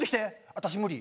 「私無理。